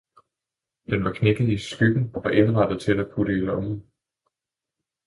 den var knækket i skyggen og indrettet til at putte i lommen.